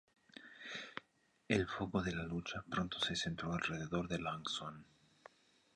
El foco de la lucha pronto se centró alrededor de Lang Son.